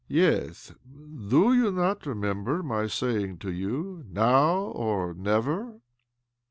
" Yes. Do you not remember my say ing to you, 'Now or never